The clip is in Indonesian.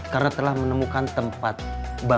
karena telah menemukan tempat yang lebih baik